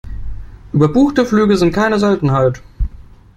Überbuchte Flüge sind keine Seltenheit.